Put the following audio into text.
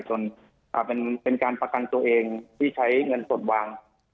จนเป็นการประกันตัวเองที่ใช้เงินสดวาง๕๐๐๐๐บาท